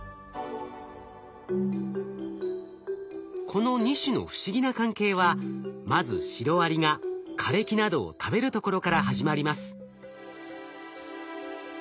この２種の不思議な関係はまずシロアリが枯れ木などを食べるところから始まります。